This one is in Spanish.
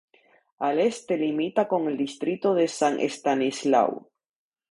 Al este limita con el Distrito de San Estanislao.